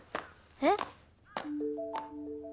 えっ？